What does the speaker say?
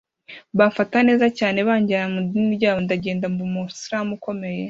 bamfata neza cyane banjyana mu idini ryabo ndagenda mba umu islam ukomeye